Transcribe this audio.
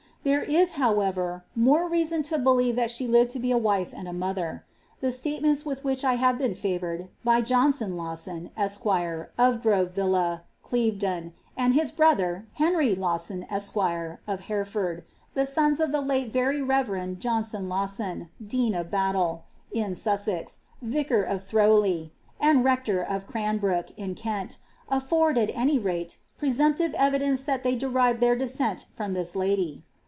'" There ik however, more reason to believe that she lived to be a wife a mI a mother. The statements with which I have been favoured, by Johnson Lawson, esq., of Grove Villa, Clevedon, and his brother, Henry Lawson, esq., of Hereford, tlie sons of the late very reverend Johnson Lawson, dean of Battle, in Sussex, vicar of Throwley, and rector of Craubrook, in Kent, afford, at any rate, presumptive evidence that they derive their descent from this lady.